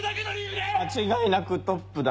間違いなくトップだ。